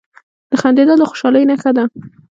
• خندېدل د خوشحالۍ نښه ده.